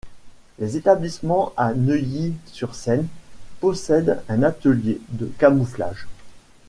Les établissements à Neuilly-sur-Seine possèdent un atelier de camouflage.